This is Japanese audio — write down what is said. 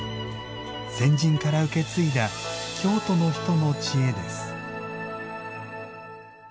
先人から受け継いだ京都の人の知恵です。